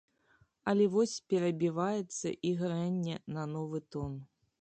Але вось перабіваецца ігранне на новы тон.